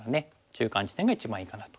中間地点が一番いいかなと。